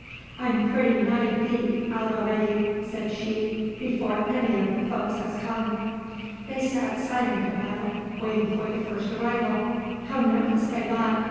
"I'm pretty nigh beat out a'ready," said she, "before any of the folks has come." They sat silent awhile, waiting for the first arrival. How nervous they got!